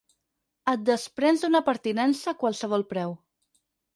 Et desprens d'una pertinença a qualsevol preu.